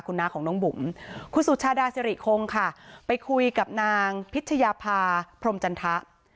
คุณน้าของน้องบุ๋มคุณสุชาดาสิริคงค่ะไปคุยกับนางพิชยาภาพรมจันทะ